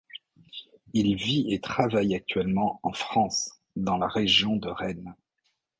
Il vit et travaille actuellement en France, dans la région de Rennes.